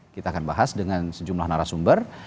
kita akan bahas dengan sejumlah narasumber